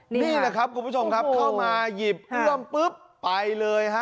นี่แหละครับคุณผู้ชมครับเข้ามาหยิบเอื้อมปุ๊บไปเลยฮะ